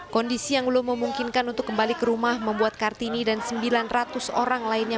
kondisi yang belum memungkinkan untuk kembali ke rumah membuat kartini dan sembilan ratus orang lainnya